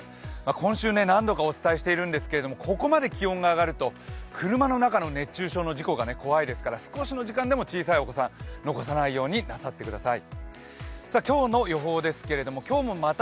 今週、何度かお伝えしてるんですけどここまで気温が上がると車の中の熱中症の事故が怖いですから少しの時間でも小さいお子さん、残さないようになさってください。